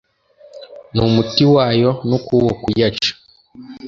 n’umuti wayo n’ukuwo kuyaca